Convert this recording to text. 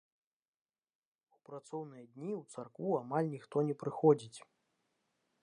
У працоўныя дні ў царкву амаль ніхто не прыходзіць.